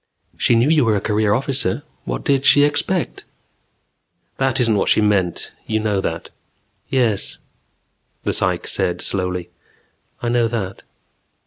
"She knew you were a career officer; what did she expect ?" "That isn't what she meant. You know that." "Yes," the psych said slowly. "I know that."